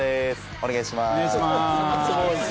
お願いします。